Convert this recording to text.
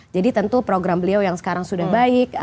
jadi tentu program beliau yang sekarang sudah baik